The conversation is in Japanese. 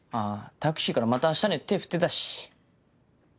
タクシーから「またあしたね」って手振ってたし。